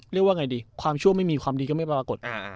เรียกว่าไงดีความชั่วไม่มีความดีก็ไม่ปรากฏ